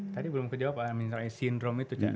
tadi belum ke jawab pak amin raih sindrom itu cak iman